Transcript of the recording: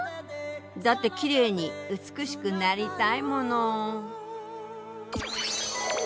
だってキレイに美しくなりたいもの。